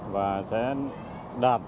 và sẽ đạt